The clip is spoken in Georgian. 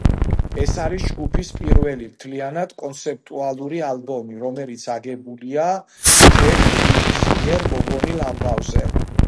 ეს არის ჯგუფის პირველი მთლიანად კონცეპტუალური ალბომი, რომელიც აგებულია ჯეფ ლინის მიერ მოგონილ ამბავზე.